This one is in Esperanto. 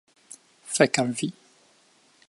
Fek' al vi!